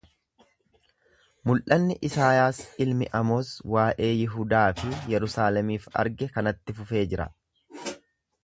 Mul'anni Isaayaas ilmi Amoz waa'ee Yihudaa fi Yerusaalemiif arge kanatti fufee jira.